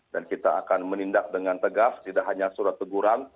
dan kita akan menindak dengan tegas tidak hanya surat teguran